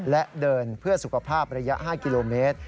และเดินเพื่อสุขภาพระยะ๕กิโลเมตร